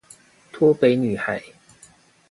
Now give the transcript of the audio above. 脫北女孩